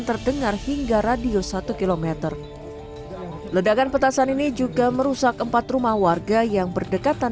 terdengar hingga radio satu km ledakan petasan ini juga merusak empat rumah warga yang berdekatan